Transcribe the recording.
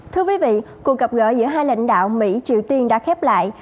thưa quý vị cuộc gặp gỡ giữa hai lãnh đạo mỹ triều tiên đã khép lại